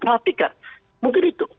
harus diperhatikan mungkin itu